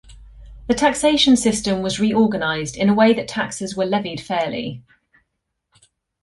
The taxation system was reorganized in a way that taxes were levied fairly.